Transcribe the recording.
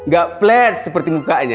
gak flare seperti mukanya